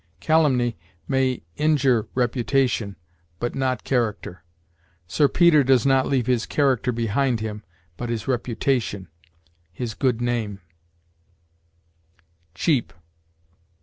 Calumny may injure reputation, but not character. Sir Peter does not leave his character behind him, but his reputation his good name. CHEAP.